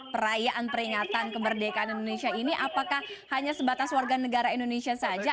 perayaan peringatan kemerdekaan indonesia ini apakah hanya sebatas warga negara indonesia saja